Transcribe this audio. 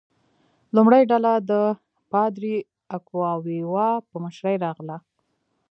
لومړۍ ډله د پادري اکواویوا په مشرۍ راغله.